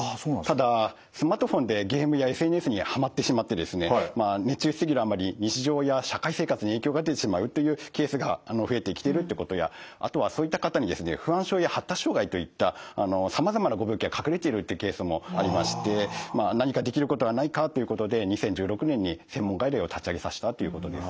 ただスマートフォンでゲームやＳＮＳにはまってしまってですね熱中し過ぎるあまり日常や社会生活に影響が出てしまうっていうケースが増えてきてるっていうことやあとはそういった方にですね不安症や発達障害といったさまざまなご病気が隠れているっていうケースもありまして何かできることはないかということで２０１６年に専門外来を立ち上げさせたということです。